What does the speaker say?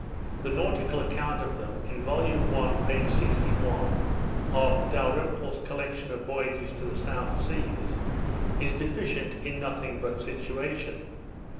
The nautical account of them, in vol. i. p. 61, of Dalrymple's Collection of Voyages to the South Seas, is deficient in nothing but situation.